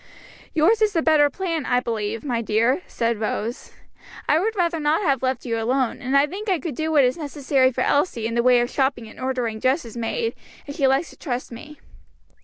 "Yours is the better plan, I believe, my dear," said Rose. "I would rather not have you left alone, and I think I could do what is necessary for Elsie, in the way of shopping and ordering dresses made, if she likes to trust me."